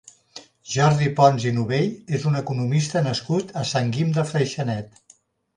Jordi Pons i Novell és un economista nascut a Sant Guim de Freixenet.